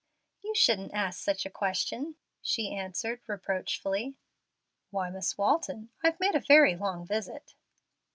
"You shouldn't ask such a question," she answered, reproachfully. "Why, Miss Walton, I've made a very long visit."